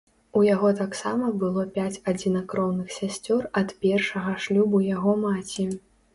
У яго таксама было пяць адзінакроўных сясцёр ад першага шлюбу яго маці.